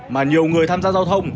mà nhiều người tham gia giao thông